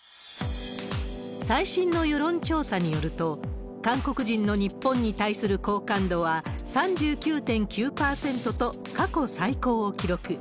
最新の世論調査によると、韓国人の日本に対する好感度は３９．９％と、過去最高を記録。